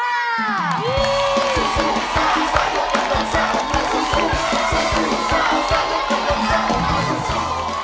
กำลังซ่ายกกำลังซ่ายกกำลังซ่า